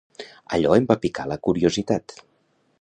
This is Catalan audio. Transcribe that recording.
Allò em va picar la curiositat.